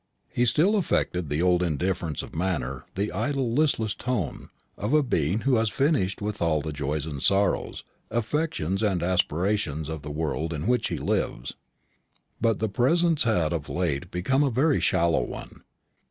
He still affected the old indifference of manner, the idle listless tone of a being who has finished with all the joys and sorrows, affections and aspirations, of the world in which he lives. But the pretence had of late become a very shallow one.